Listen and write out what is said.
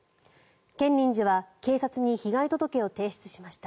建仁寺は警察に被害届を提出しました。